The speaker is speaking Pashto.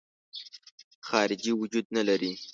خارجي وجود نه لري.